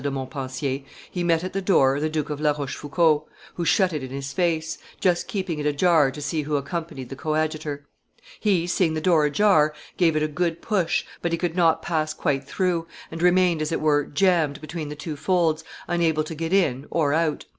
de Montpensier, "he met at the door the Duke of La Rochefoucauld, who shut it in his face, just keeping it ajar to see who accompanied the coadjutor; he, seeing the door ajar, gave it a good push, but he could not pass quite through, and remained as it were jammed between the two folds, unable to get in or out.